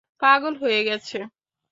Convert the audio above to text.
পাগল হয়ে গেছে!